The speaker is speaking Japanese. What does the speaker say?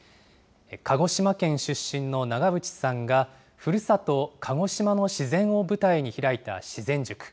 鹿児島県出身の長渕さんがふるさと鹿児島の自然を舞台に開いた自然塾。